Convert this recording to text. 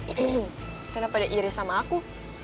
ehem kenapa dia iri sama aku